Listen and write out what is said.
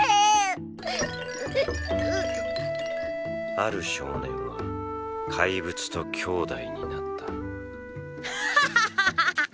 ある少年は怪物と兄弟になったアッハッハッハッハッ！